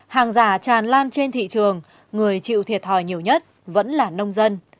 hàng giả tràn lan trên thị trường người chịu thiệt thòi nhiều nhất vẫn là nông dân